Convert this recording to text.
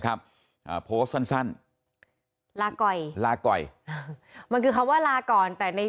ครับอ่าโพสต์สั้นสั้นลาก่อยลาก่อยมันคือคำว่าลาก่อนแต่ใน